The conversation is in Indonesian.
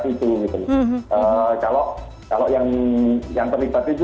meneliti dan mendalami informasi yang tidak terlibat di masyarakat itu